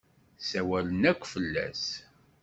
Ssawalen akk fell-as.